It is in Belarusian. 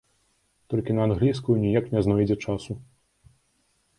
Толькі на англійскую ніяк не знойдзе часу.